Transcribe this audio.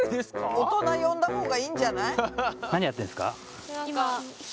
大人呼んだほうがいいんじゃない？